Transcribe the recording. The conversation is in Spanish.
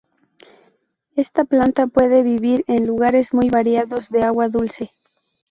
Esta planta puede vivir en lugares muy variados de agua dulce.